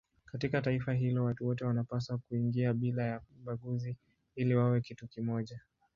Katika taifa hilo watu wote wanapaswa kuingia bila ya ubaguzi ili wawe kitu kimoja.